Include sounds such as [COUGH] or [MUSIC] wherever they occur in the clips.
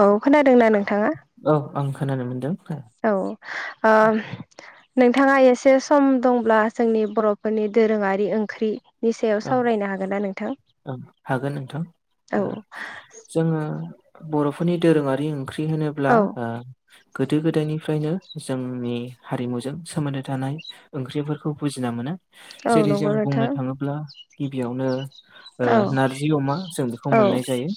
औ खोनादोंना नोंथाङा? औ आं खोनानो मोन्दों। औ ओ नोंथाङा एसे सम दंब्ला जोंनि बर'फोरनि दोरोङारि ओंख्रि नि सायाव सावरायनो हागोन ना नोंथां? औ हागोन नोंथां औ। ओ जोङो बर'फोरनि दोरोङारि ओंख्रि होनोब्ला औ ओ गोदो गोदायनिफ्रायनो जोंनि हारिमुजों सोमोन्दो थानाय ओंख्रिफोरखौ बुजिना मोनो औ जेरै जों नंगौ नोंथां बुंनो थाङोब्ला गिबियावनो ओ औ नारजि अमा जों बेखौ औ मोननाय जायो।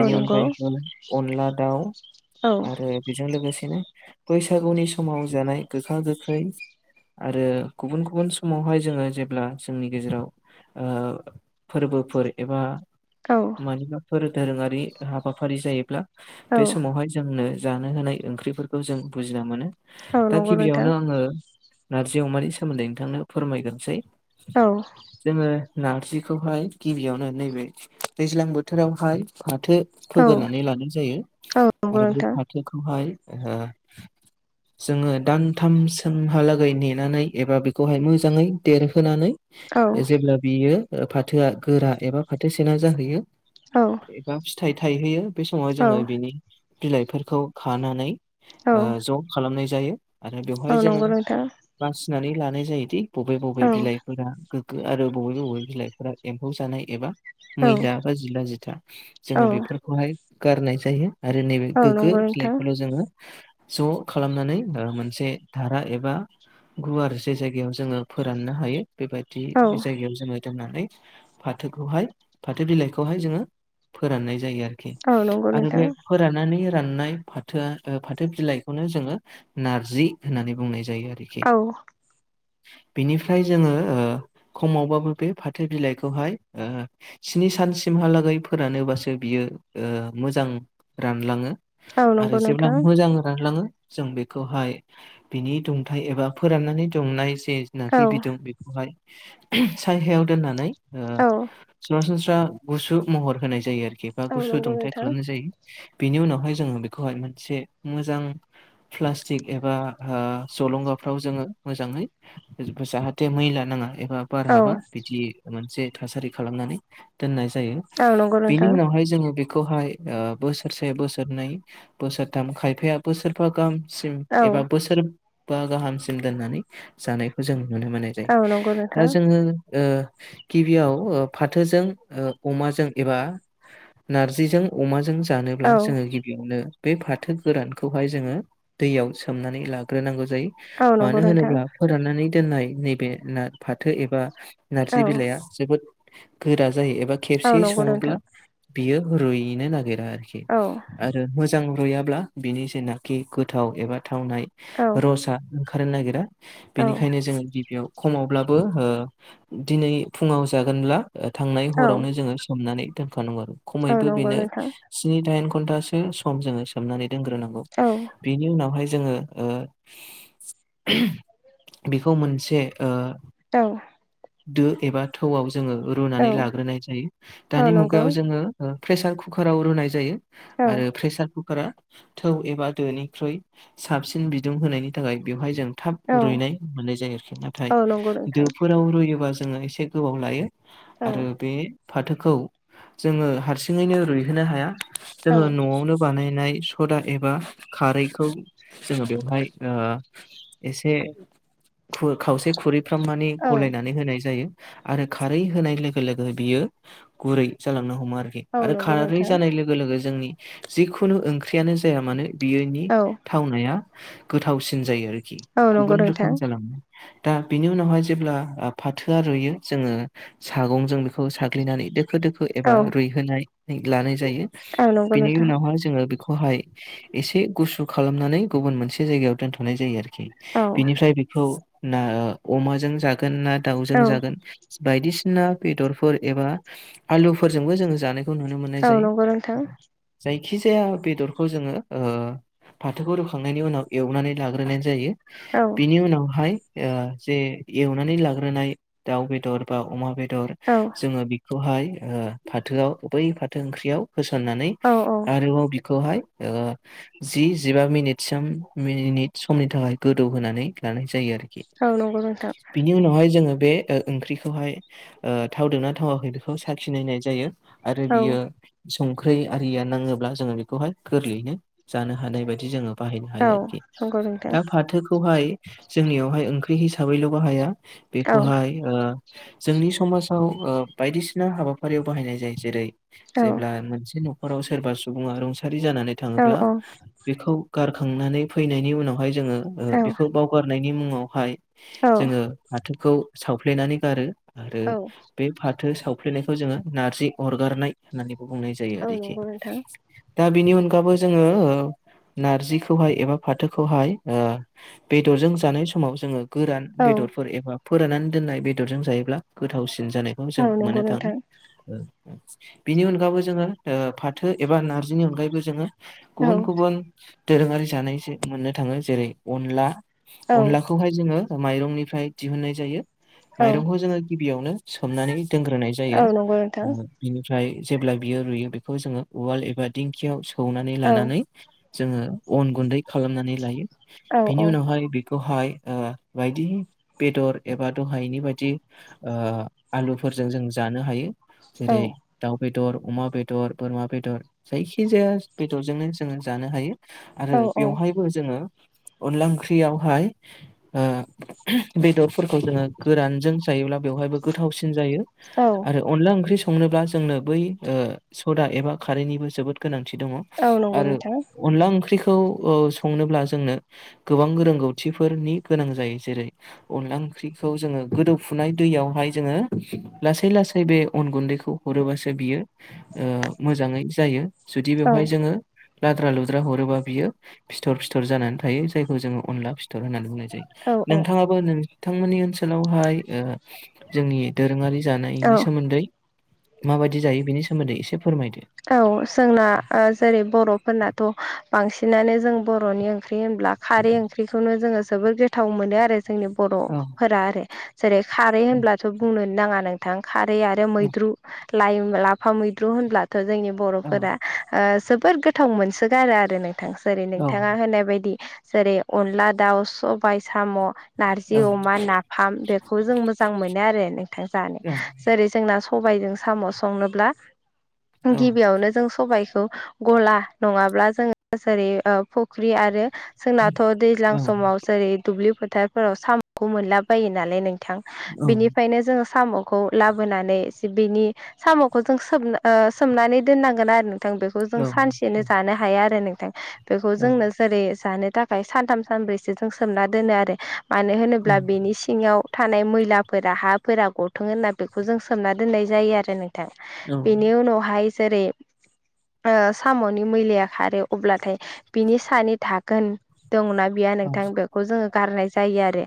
औ नंगौ अनगायैबो अनला दाउ औ ओ बेजों लोगोसेनो बैसागुनि समाव जानाय गोखा गोखै। आरो गुबुन गुबुन समावहाय जोङो जेब्ला जोंनि गेजेराव ओ फोरबोफोर एबा औ मानिबा फोर दोरोङारि हाबाफारि जायोब्ला औ बे समावहाय जोंनो जानो होनाय ओंख्रिफोरखौ जों बुजिना मोनो औ दा नंगौ नोंथां गिबियावनो आङो नारजि अमानि सोमोन्दै नोंथांनो फोरमायगोरसै। औ। जोङो नारजिखौहाय गिबियावनो नैबे दैज्लां बोथोरावहाय फाथो औ फोगोरनानै लानाय जायो औ नंगौ आरो बे नोंथां फाथोखौहाय ओ [INAUDIBLE] जोङो दानथाम सोमहालागै नेनानै एबा बेखौहाय मोजाङै देरहोनानै औ बे जेब्ला बियो ओ फाथोआ गोरा एबा फाथो सेना जाहैयो औ। एबा फिथाइ थायहैयो बे समावहाय औ जोङो बेनि बिलाइफोरखौ खानानै ओ ज' खालामनाय जायो आरो बेवहाय औ जोङो नंगौ नोंथां बासिनानै लानाय जायोदि बबे बबे औ बिलाइफोरा गोग्गो आरो बबे बबे बिलाइफोरा एम्फौ जानाय एबा औ मैला बा जिला जिथा जोङो औ बेफोरखौहाय गारनाय जायो। आरो नैबे औ गोग्गो नंगौ नोंथां फिलाइखौल' जोङो ज' खालामनानै ओ मोनसे धारा एबा गुवार जे जायगायाव जोङो फोराननो हायो बेबायदि औ जायगायाव जोङो दोननानै फाथोखौहाय फाथो बिलाइखौहाय जोङो फोराननाय जायो आरो औ नंगौ आरो नोंथां बे फोराननानै राननाय फाथोआ ओ फाथो बिलाइखौनो जोङो नारजि होननानै बुंनाय जायो औ आरोखि। बिनिफ्राय जोङो ओ खमावबाबो बे फाथो बिलाइखौहाय ओ स्नि सानसिमहालागै फोरानोबासो बियो ओ मोजां रानलाङो औ आरो नंगौ जेब्ला नोंथां मोजां फोरानलाङो जों बेखौहाय बिनि दुंथाय एबा फोराननानै दुंनाय बे औ जेनाखि बिदुं बेखौहाय साइ हायाव दोननानै ओ औ। सरासनस्रा गुसु महर होनाय जायो आरोखि बा औ गुसु नंगौ दुंथाइ नोंथां खालामनाय जायो। बेनि उनावहाय जोङो बेखौहाय मोनसे मोजां प्लास्टिक एबा ओ जलंगाफ्राव जोङो मोजाङै जाहाथे मै लानाङा एबा बार औ हाबा बिदि मोनसे थासारि खालामनानै दोननाय जायो। औ नंगौ बेनि नोंथां उनावहाय जोङो बे बेहाय ओ बोसोरसे बोसोरनै बोसोरथाम खायफाया बोसोरबा गाहामसिम औ एबा बोसोर बा गाहामसिम दोननानै जानायखौ जों नुनो मोननाय औ नंगौ जायो। नोंथां आङो ओ गिबियाव ओ फाथोजों अमाजों एबा नारजिजों अमाजों जानोब्ला औ जोङो गि बियावनो बे फाथो गोरानखौहाय जोङो दैयाव सोमनानै लाग्रोनांगौ जायो। औ नंगौ मानो नोंथां होनोब्ला फोराननानै दोननाय नैबे ना फाथो एबा औ नारजि बिलाइआ जोबोद गोरा जायो एबा औ खेबसेयै नंगौ नोंथां सङोब्ला बियो रुयैनो नागिरा आरोखि औ आरो मोजां रुयाब्ला बिनि जेनाखि गोथाव एबा थावनाय औ रसा ओंखारनो नागिरा औ बेनिखायनो जोङो गिबियाव खमावब्लाबो ओ दिनै फुङाव जागोनब्ला ओ थांनाय औ हरावनो जोङो सोमनानै दोनखानांगौ आरो औ खमैबो नंगौ बेनो नोंथां स्नि दाइन घन्टासो सम जोङो सोमनानै दोनग्रोनांगौ औ बिनि उनावहाय जोङो ओ बेखौ मोनसे ओ ओं। दो एबा थौआव जोङो औ रुनानै लाग्रोनाय जायो औ दानि नंगौ मुगायाव जोङो ओ प्रेसार कुकाराव रुनाय जायो औ आरो प्रेसार कुकारा थौ एबा दोनिख्रुइ साबसिन बिदुं होनायनि थाखाय बेवहाय जों थाब औ रुइनाय मोननाय जायो आरोखि नाथाय औ नंगौ नोंथां फोराव रुयोबा जोङो एसे गोबाव लायो औ आरो बे फाथोखौ जोङो हारसिङैनो रुइहोनो हाया औ जोङो न'आवनो बानायनाय सदा एबा खारैखौ जोङो बेवहाय ओ एसे खु खावसे खुरैफ्राम मानि औ गलायनानै होनाय जायो। आरो खारै होनाय लोगो लोगो बियो गुरै जालांनो हमो आरो औ आरो नंगौ खारै नोंथां जानाय लोगो लोगो जोंनि जिखुनु ओंख्रियानो जाया मानो बियोनि औ थावनाया गोथावसिन जायो आरोखि औ नंगौ गुबुन नोंथां रोखोम जालांनाय दा बिनि उनावहाय जेब्ला फाथोआ रुइयो जोङो सागंजों बेखौ साग्लिनानै दोखो दोखो एबा औ रुयहोनानै लानाय जायो औ नंगौ बिनि नोंथां उनाव जोङो बे खौहाय एसे गुसु खालामनानै गुबुन मोनसे जायगायाव दोनथ'नाय जायो आरोखि औ बिनिफ्राय बेखौ ना अमाजों जागोन ना दाउजों औ जागोन बायदिसिना बेदरफोर एबा आलुफोरजोंबो जों जानो खौ नुनो मोननाय औ नंगौ जायो नोंथां जायखि जाया बेदरखौ जोङो ओ फाथोखौ रुखांनायनि उनाव एवनानै लाग्रोनाय जायो औ औ बिनि उनावहाय ओ जे एवनानै लाग्रोनाय दाउ बेदर बा अमा बेदर औ जोंङो बेखौहाय ओ फाथोआव बै फाथो ओंख्रियाव होसननानै औ आरोबाव खौहाय जि जिबा मिनिटसिम समनि थाखाय गोदौ होनानै लानाय जायो आरो औ नंगौ नोंथां बिनि उनावहाय जोङो बे ओ ओंख्रिखौहाय ओ थावदोंना थावाखै बेखौ साखिनायनाय जायो आरो औ बियो संख्रि आरिया नाङोब्ला जोङो बेखौहाय गोरलैयैनो जानो हानाय बायदि जोङो बाहायनो हायो आरोखि औ नंगौ नोंथां दा फाथोखौहाय जोंनियावहाय ओंख्रि हिसाबैल' बाहाया औ बेखौहाय ओ जोंनि समाजाव बायदिसिना हाबाफारियाव बाहायनाय जायो जेरै औ जेब्ला मोनसे न'खराव सोरबा सुबुङा रुंसारि जानानै औ थाङोब्ला बेखौ गार फैनायनि उनावहाय जोङो बेखौ बावगारनायनि मुङावहाय औ जोङो फाथोखौ सावफ्लेनानै गारो आरो औ बे फाथो सावफ्लेनायखौ जोङो नारजि अरगारनाय होननानैबो बुंनाय जायो औ आरोखि। नंगौ नोंथां दा बिनि अनगायाबबो जोङो ओ नारजिखौहाय एबा फाथोखौहाय ओ बेदरजों जानाय समाव जोङो गोरान औ बेदरफोर एबा फोराननानै दोननाय बेदरजों जायोब्ला गोथावसिन जानायखौ औ जों नंगौ मोननो थाङो। नोंथां बिनि अनगायैबो जोङो फाथो एबा नारजिनि अनगायैबो जोङो औ गुबुन गुबुन दोरोङारि जानाय जे मोननो थाङो जेरै अनला औ अनला बेखौहाय जोङो माइरंनिफ्राय दिहुननाय जायो औ माइरंखौ जोङो गिबियावनो सोमनानै दोनग्रोनाय औ जायो। नंगौ नोंथां बिनिफ्राय जेब्ला बियो रुइयो बेखौ जोङो उवाल एबा दिंखियाव सौनानै औ लानानै जोङो अन गुन्दै खालामनानै लायो औ बिनि उनावहाय बेखौहाय ओ बायदि बेदर एबा दहायनि बायदि ओ आलुफोरजों जों जानो हायो औ जेरै दाउ बेदर अमा बेदर बोरमा बेदर जायखिजाया बेदरजोंनो जोङो जानो हायो। आरो बेवहायबो जोङो अनला ओंख्रियावहाय ओ बेदरफोरखौ जोङो गोरानजों जायोब्ला बेवहायबो गोथावसिन जायो। औ आरो अनला ओंख्रि संनोब्ला जोंनो बै ओ सदा एबा खारैनिबो जोबोद गोनांथि दङ। औ नंगौ आरो नोंथां अनला ओंख्रिखौ ओ संनोब्ला जोंनो गोबां रोंगौथिफोरनि गोनां जायो जेरै अनला ओंख्रिखौ जोङो गोदौफुनाय दैयावहाय जोङो लासै लासै बे अन गुन्दैखौ हरोबासो बियो ओ मोजाङै जायो जुदि औ बेवहाय जोङो लाद्रा लुद्रा हरोबा बियो फिथर फिथर जानानै थायो जायखौ जोङो अनला फिथर होननानै बुंनाय औ नोंथाङाबो नोंथांमोननि ओनसोलावहाय ओ जोंनि दोरोङारि औ औ जानायनि सोमोन्दै माबायदि जायो बेनि सोमोन्दै एसे फोरमायदो। औ जोंना जेरै बर'फोरनाथ' बांसिनानो जों बर'नि ओं ख्रि होनब्ला खारै ओंख्रिखौनो जोङो जोबोर गोथाव मोनो आरो जोंनि औ बर'फोरा आरो जेरै खारै औ होनब्लाथ' बुंनो नाङा नोंथां खारै आरो औ मैद्रु लाइ लाफा मैद्रु होनब्लाथ' जोंनि औ बर'फोरा ओ जोबोद गोथाव मोनसोगारो आरो नोंथांसो ओरै ओं नोंथाङा होनाय बायदि जेरै अनला दाउ सबाय साम' नारजि ओं औ अमा नाफाम बेखौ जों मोजां मोनो आरो नोंथां जानो जेरै जोंना सबाइजों साम' संनोब्ला ओं गिबियावनो जों सबाइखौ गला नङाब्ला जोङो जेरै ओ फुख्रि आरो जोंनाथ' औ दैज्लां समाव जेरै दुब्लि फोथारफोराव साम'खौ मोनलाबायो नालाय नों थां औ बिनिफ्रायनो जोङो साम'खौ लाबोनानै बिनि साम'खौ जों सोबनो ओ सोमनानै दोननांगोन आरो नोंथां बेखौ जों औ सानसेनो औ जानो हाया आरो नोंथां बेखौ औ जोंनो जेरै जानो थाखाय सानथाम सानब्रैसो जों सोमना दोनो आरो मानो होनोब्ला बेनि सिङाव थानाय मैलाफोरा हाफोरा गथों होनना बेखौ जों सोमना दोननाय जायो आरो नोंथां बेनि उनावहाय जेरै ओ साम'नि मैलाया खारो अब्लाथाय बिनि सानै दाखोन दंना बियाव नोंथां बेखौ जोङो गारनाय जायो आरो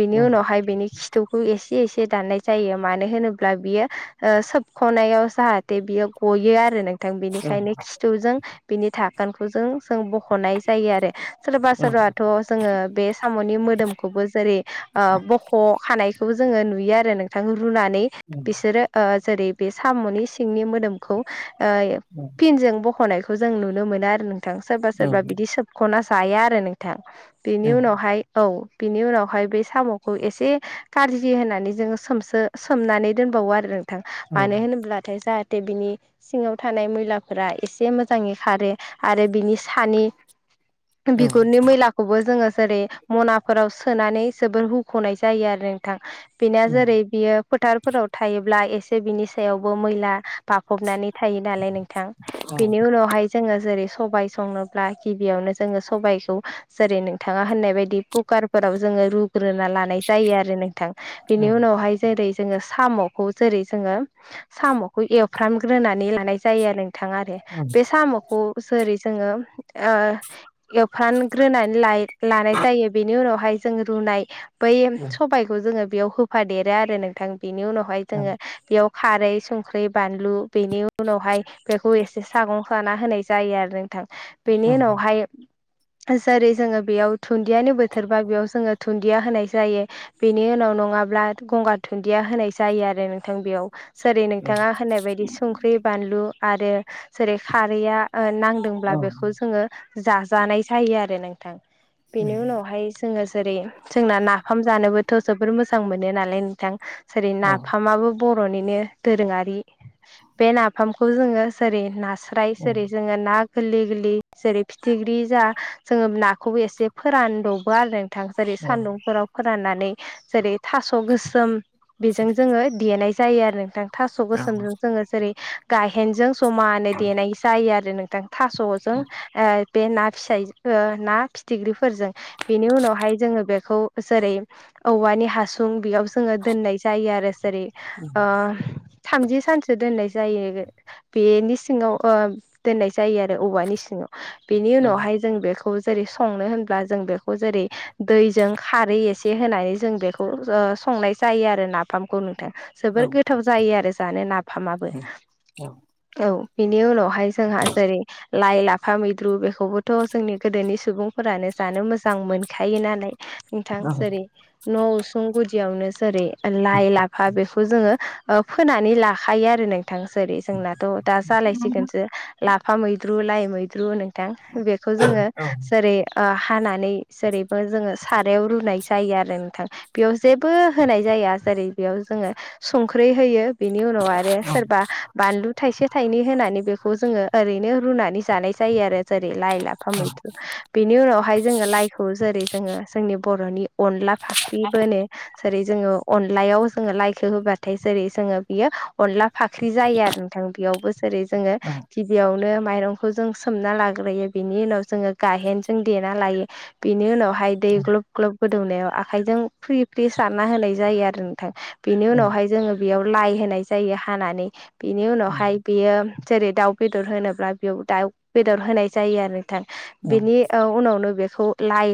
बेनि उनावहाय बेनि खिथ थुखौ एसे एसे दान्नाय जायो मानो होनोब्ला बियो सोबख'नायाव जाहा जाथे बियो गयो आरो नोंथां बेनिखायनो खिथुजों बिनि थाखोनखौ जों जों बख'नाय जायो आरो सोरबा सोरथ थ' जोङो बे साम'नि मोदोमखौबो जेरै ओ बख' खानायखौबो जोङो नुयो आरो नों थां रुनानै औ बिसोरो जेरै बे साम'नि सिंनि मोदोमखौ ओ ओम फिनजों बख'नायखौ जों नुनो मोनो आरो नोंथां सोरबा सोरबा बिदि सोबख'ना जाया आरो नोंथां बेनि उनावहाय औ बिनि उनावहाय बे साम'खौ एसे खारजि होननानै जोङो सोमसो सोमनानै दोनबावो आरो नोंथां मानो होनोब्ला नाथाय जाहाथे बिनि सिङाव थानाय मैलाफोरा एसे मोजाङै खारो आरो बिनि सानि बिगुरनि मैला खौबो जोङो जेरै मनाफोराव सोनानै जोबोर हुख'नाय जायो आरो थां बेना जेरै बियो फोथारफोराव थायोब्ला एसे बिनि सायावबो मैला बाफबनानै थायो नालाय नोंथां बेनि उनावहाय जोङो जेरै सबाइ संनोब्ला गिबियावनो जोङो सबाइखौ जेरै नोंथाङा होननाय बायदि कुकारफोराव जोङो रु ग्रोना लानाय जायो आरो नोंथां बेनि उनावहाय जेरै जोङो साम'खौ जेरै जोङो साम'खौ एवफ्रामग्रोनानै लानाय जायो आरो नोंथां आरो बे साम'खौ जोरै जोङो ओम‌ एवफ्रानग्रोनानै लाय लानाय जायो बेनि उनावहाय जों रुनाय बै सबाइखौ जोङो बेयाव होफादेरो आरो नोंथां बेनि उनावहाय जोङो बेयाव खारै संख्रि बानलु बेनि उनावहाय बेखौ एसे सागं खाना होनाय जायो आरो नोंथां बेनि उनावहाय जेरै जोङो बेयाव दुन्दियानि बोथोरबा बेयाव जोङो दुन्दिया होनाय जायो बेनि उनाव नङाब्ला गंगार दुन्दिया होनाय जायो आरो नोंथां बेयाव जेरै नोंथाङा होननाय बायदि संख्रि बानलु आरो जेरै खारैया ओ नां दोंब्ला बेखौ जोङो जाजानाय जायो आरो नोंथां बेनि उनावहाय जोङो जेरै जोंना नाफाम जानोबोथ' जोबोर मोजां मोनो नालाय नोंथां जेरै नाफामाबो बर'निनो दोरोङारि बे नाफामखौ जोङो जेरै ना स्राय जेरै जोङो ना गोरलै गोरलै जेरै फिथिग्रि जा जोङो नाखौबो एसे फोरानद'बो आरो। थां जेरै सानदुंफोराव फोराननानै जेरै थास' गोसोम बेजों जोङो देनाय जायो आरो। नोंथां थास' गोसोमजों जोङो जेरै गायहेनजों जमानो देनाय जायो आरो नोंथां। थास'जों ओ बे ना फिसाय ओ ना फिथिग्रिफोरजों बेनि उनावहाय जोङो बेखौ जेरै औवानि हासुं बेयाव जोङो दोननाय जायो आरो जेरै ओ थामजि सानसो दोननाय जायो। बेनि सिङाव ओ दोननाय जायो आरो औवानि सिङाव। बेनि उनावहाय जों बेखौ जेरै संनो होनब्ला जों बेखौ जेरै दैजों खारै एसे होनानै जों बेखौ ओ संनाय जायो आरो नाफामखौ नोंथां। जोबोर गोथाव जायो आरो जानो नाफामाबो। औ बेनि उनाव हाय जोंहा जेरै लाइ लाफा मैद्रु बेखौबोथ' जोंनि गोदोनि सुबुंफोरानो जानो मोजां मोनखायो नालाय नोंथां जेरै न' उसुं गुदियावनो जेरै लाइ लाफा बेखौ जोङो ओ फोनानै लाखायो आरो नोंथां जेरै जोंनाथ' दा जालायसिगोनसो। लाफा मैद्रु लाइ मैद्रु नोंथां बेखौ जोङो जेरै ओ हानानै जेरैबो जोङो सारायाव रुनाय जायो आरो नोंथां। बेयाव जेबो होनाय जाया जेरै बेयाव जोङो सं खारै होयो बिनि उनाव आरो सोरबा बानलु थाइसे थाइनै होनानै बेखौ जोङो ओरैनो रुनानै जानाय जायो आरो। जेरै लाइ लाफा मैद्रु बिनि उनावहाय जोङो लाइखौ जेरै जोङो जोंनि बर'नि अनला फाख्रिबो होनो। जेरै जोङो अनलायाव जोङो लाइखो होबाथाय जेरै जोङो बियो अनला फाख्रि जायो आरो नोंथां बेयावबो जेरै जोङो गिबियावनो माइरंखौ जों सोमना लाग्रोयो बिनि उनाव जोङो गाहेनजों देना लायो बिनि उनावहाय दै ग्लब ग्लब गोदौनायाव आखाइजों फ्रि फ्रि सारना होनाय जायो आरो नोंथां। बिनि उनावहाय जोङो बेयाव लाइ होनाय जायो हानानै। बिनि उनावहाय बेयो जेरै दाउ बेदर होनोब्ला बेयाव दाउ बेदर होनाय जायो आरो नोंथां। बेनि ओ उनावनो बेखौ लाइ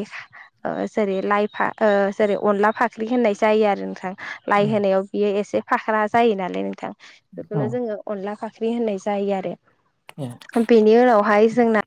ओ जेरै लाइ फा ओ जेरै अनला फाख्रि होननाय जायो आरो नोंथां। लाइ होनायाव बियो एसे फाख्रा जायो नालाय नोंथां औ बेखौनो जोङो अनला फाख्रि होननाय जायो आरो। ए। बेनि उनावहाय जोंना